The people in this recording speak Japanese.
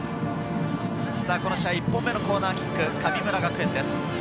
１本目のコーナーキックは神村学園です。